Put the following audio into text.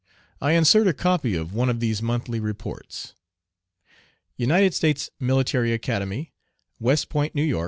I insert a copy of one of these monthly reports. UNITED STATES MILITARY ACADEMY, West Point, N. Y.